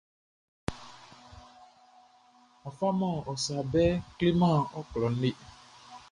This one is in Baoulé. A faman ɔ sa bɛʼn kleman ɔ klɔʼn le.